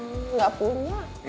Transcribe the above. hmm gak punya